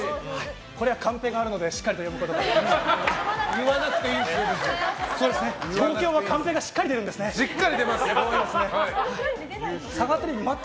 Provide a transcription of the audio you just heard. これはカンペがあるのでしっかり読むことができました。